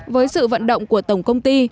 với sự vận động của tổng công ty